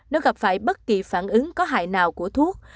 nó gặp phải bất kỳ phản ứng có hại nào của thuốc